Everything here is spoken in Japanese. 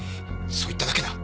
そう言っただけだ。